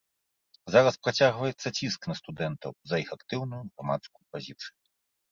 Зараз працягваецца ціск на студэнтаў за іх актыўную грамадскую пазіцыю.